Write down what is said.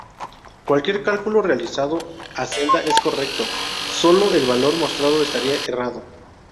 Cualquier cálculo realizado a celda es correcto, sólo el valor mostrado estaría errado.